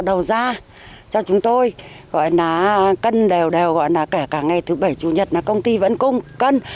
đầu ra cho chúng tôi gọi là cân đều đều gọi là kể cả ngày thứ bảy chủ nhật là công ty vẫn cung cân